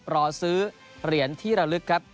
รอซื้อเหรียญที่ระลึกครับ